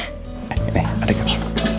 nih adik aku